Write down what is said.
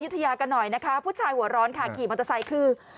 ทยากันหน่อยนะคะผู้ชายหัวร้อนค่ะขี่มอเตอร์ไซค์คือ